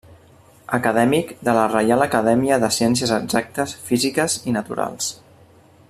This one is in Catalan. Acadèmic de la Reial Acadèmia de Ciències Exactes, Físiques i Naturals.